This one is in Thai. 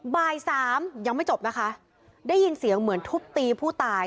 บ่ายสามยังไม่จบนะคะได้ยินเสียงเหมือนทุบตีผู้ตาย